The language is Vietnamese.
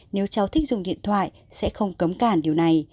nếu cháu thích dùng điện thoại sẽ không cấm cản điều này